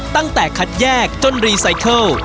ตั้งแต่คัดแยกจนรีไซเคิล